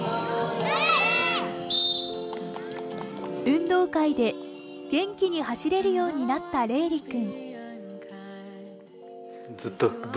運動会で元気に走れるようになった怜龍君。